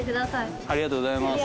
ありがとうございます。